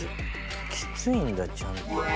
きついんだちゃんと。